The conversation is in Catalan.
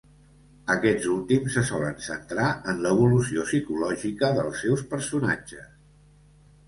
Aquests últims se solen centrar en l'evolució psicològica dels seus personatges.